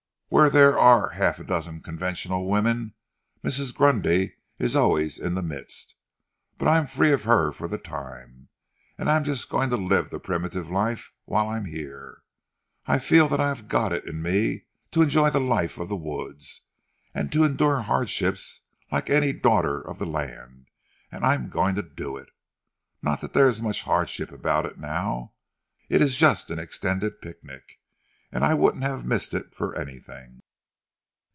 Where there are half a dozen conventional women Mrs. Grundy is always in the midst. But I'm free of her for the time, and I'm just going to live the primitive life whilst I'm here. I feel that I have got it in me to enjoy the life of the woods, and to endure hardships like any daughter of the land, and I'm going to do it. Not that there is much hardship about it now! It is just an extended pic nic, and I wouldn't have missed it for anything."